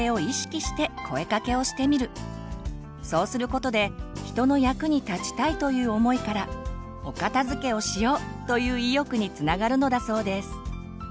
そうすることで人の役に立ちたいという思いからお片づけをしよう！という意欲につながるのだそうです。